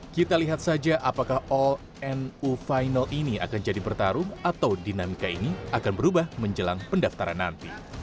kita lihat saja apakah all nu final ini akan jadi bertarung atau dinamika ini akan berubah menjelang pendaftaran nanti